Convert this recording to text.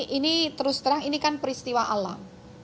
ini terus terang ini kan peristiwa alam